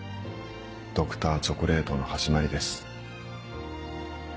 Ｄｒ．チョコレートの始まりです。